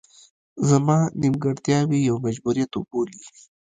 زما نیمګړتیاوې یو مجبوریت وبولي.